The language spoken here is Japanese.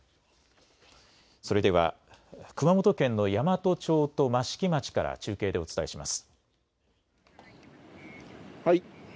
それでは熊本県の山都町と益城町から中継でお伝えします。